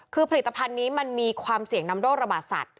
คือผลิตภัณฑ์นี้มันมีความเสี่ยงนำโรคระบาดสัตว